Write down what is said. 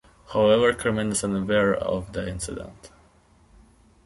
However, Carmen is unaware of the incident.